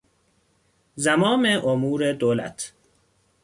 زمام امور دولت